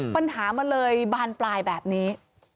ปัญหามันเลยบานปลายแบบนี้